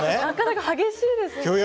なかなか激しいですね。